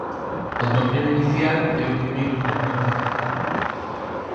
O Torneo Inicial é o primeiro torneo da tempada.